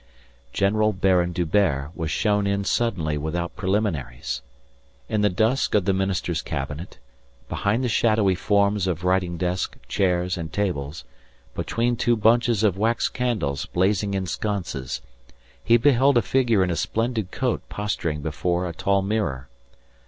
General Baron D'Hubert was shown in suddenly without preliminaries. In the dusk of the minister's cabinet, behind the shadowy forms of writing desk, chairs, and tables, between two bunches of wax candles blazing in sconces, he beheld a figure in a splendid coat posturing before a tall mirror.